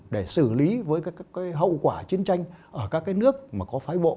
để xử lý với các hậu quả chiến tranh ở các cái nước mà có phái bộ